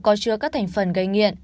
có chứa các thành phần gây nghiện